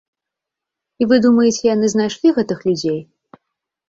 І вы думаеце яны знайшлі гэтых людзей?